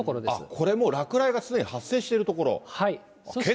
これ、もう落雷がすでに発生している所。